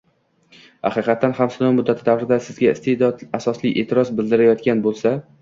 haqiqatdan ham sinov muddati davrida sizga asosli e’tiroz bildirilayotgan bo‘lsa